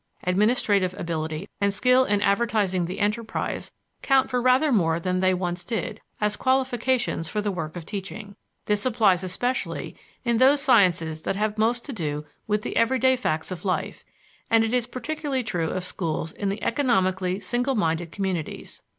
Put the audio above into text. Administrative ability and skill in advertising the enterprise count for rather more than they once did, as qualifications for the work of teaching. This applies especially in those sciences that have most to do with the everyday facts of life, and it is particularly true of schools in the economically single minded communities.